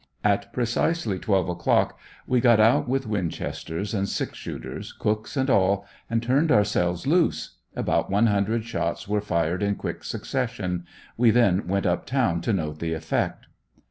At precisely twelve o'clock we got out with winchesters and six shooters, cooks and all, and turned ourselves loose. About one hundred shots were fired in quick succession. We then went up town to note the effect.